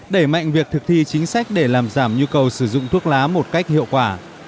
đẩy mạnh việc thực thi chính sách để làm giảm nhu cầu sử dụng thuốc lá một cách hiệu quả